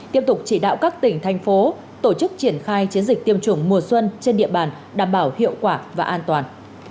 tiếp tục chỉ đạo các tỉnh thành phố tổ chức triển khai chiến dịch tiêm chủng mùa xuân trên địa bàn đảm bảo hiệu quả và an toàn